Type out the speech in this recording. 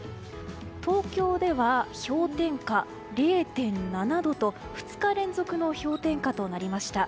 東京では氷点下０．７度と２日連続の氷点下となりました。